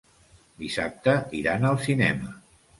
Dissabte iran al cinema.